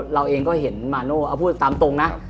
เราเองก็เห็นมาโน่เอาพูดตามตรงนะ